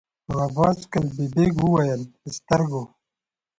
عباس قلي بېګ وويل: په سترګو!